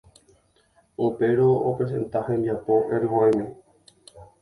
Upérõ opresenta hembiapo El Bohemio.